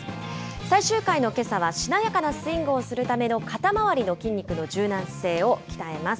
最終回のけさは、しなやかなスイングをするための肩まわりの筋肉の柔軟性を鍛えます。